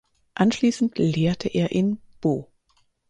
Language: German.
Anschließend lehrte er in Bo.